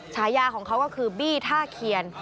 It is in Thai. ฉายาของเขาก็คือบี้ท่าเคียน